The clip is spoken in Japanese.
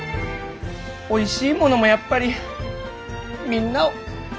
おいしいものもやっぱりみんなをピース！